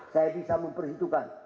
saya bisa memperhitungkan